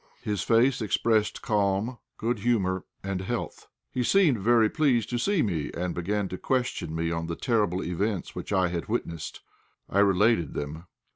His face expressed calm, good humour and health. He seemed very pleased to see me, and began to question me on the terrible events which I had witnessed. I related them.